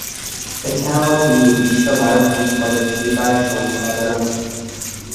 এছাড়াও তিনি বিশ্বভারতী পত্রিকার সম্পাদনা করেন।